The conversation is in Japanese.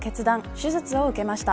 手術を受けました。